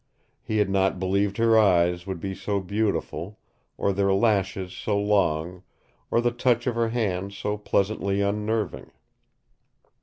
He had not believed her eyes would be so beautiful, or their lashes so long, or the touch of her hand so pleasantly unnerving.